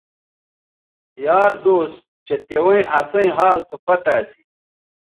یار دوس چہء تیویں اسئیں حال سو پتہ اسی